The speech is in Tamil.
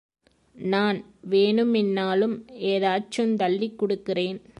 நான் வேணுமின்னாலும் எதாச்சுங் தள்ளிக் குடுக்கிறேன்.